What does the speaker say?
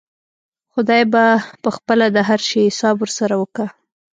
خداى به پخپله د هر شي حساب ورسره وکا.